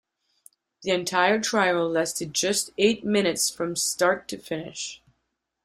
The entire trial lasted just eight minutes from start to finish.